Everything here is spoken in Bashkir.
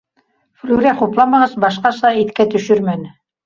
Флүрә хупламағас, башҡаса иҫкә төшөрмәне